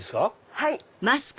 はい。